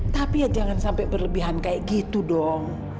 tapi ya jangan sampai berlebihan kayak gitu dong